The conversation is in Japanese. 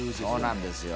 そうなんですよ。